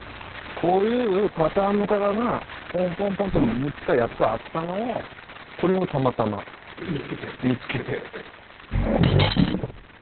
こういうパターンの柄がポンポンポンと６つか８つあったのをこれをたまたま見つけて。